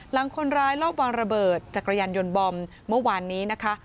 หลังคนร้ายรอบวางระเบิดจักรยานยนต์บอมเมื่อวานนี้นะคะ